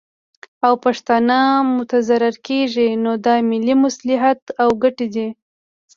او پښتانه متضرر کیږي، نو دا ملي مصلحت او ګټې دي